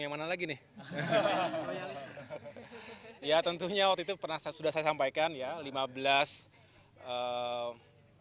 yang mana lagi nih ya tentunya waktu itu pernah sudah saya sampaikan ya tentu saja ini sudah sampai